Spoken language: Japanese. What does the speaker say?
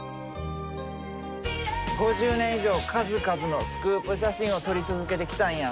５０年以上数々のスクープ写真を撮り続けてきたんや。